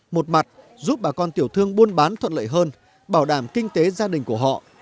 một mặt giúp bà con tiểu thương buôn bán thuận lợi hơn bảo đảm kinh tế gia đình của họ